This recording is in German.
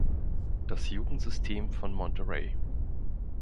Das Jugendsystem von Monterrey.